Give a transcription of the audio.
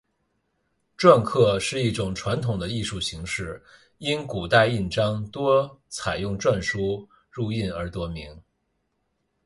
篆刻是一种传统的艺术形式，因古代印章多采用篆书入印而得名。